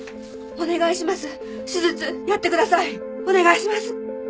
お願いします！